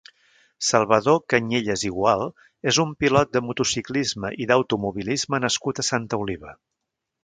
Salvador Cañellas i Gual és un pilot de motociclisme i d'automobilisme nascut a Santa Oliva.